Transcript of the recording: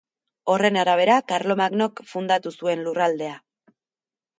Horren arabera, Karlomagnok fundatu zuen lurraldea.